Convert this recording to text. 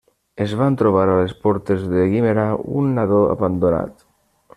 Es van trobar a les portes de Guimerà un nadó abandonat.